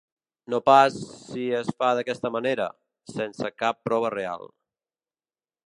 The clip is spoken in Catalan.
No pas si es fa d’aquesta manera, sense cap prova real.